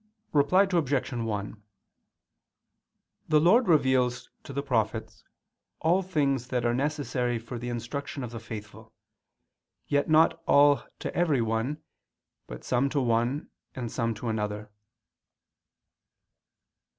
Reply Obj. 1: The Lord reveals to the prophets all things that are necessary for the instruction of the faithful; yet not all to every one, but some to one, and some to another.